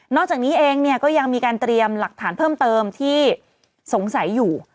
จากนี้เองเนี่ยก็ยังมีการเตรียมหลักฐานเพิ่มเติมที่สงสัยอยู่